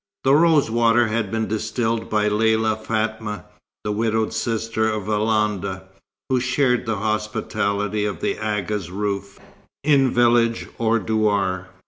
The rose water had been distilled by Lella Fatma, the widowed sister of Alonda, who shared the hospitality of the Agha's roof, in village or douar.